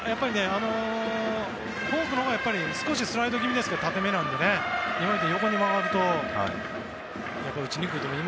フォークのほうが少しスライド気味ですけど縦めなので今みたいに横に曲がると打ちにくいと思います。